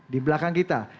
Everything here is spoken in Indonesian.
di belakang kita